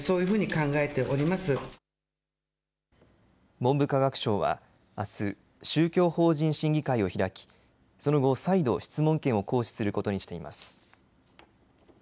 文部科学省はあす、宗教法人審議会を開きその後、再度、質問権を行使することにしています。